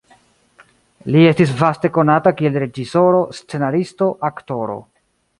Li estis vaste konata kiel reĝisoro, scenaristo, aktoro.